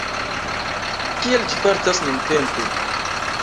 Kiel ĝi fartas nuntempe?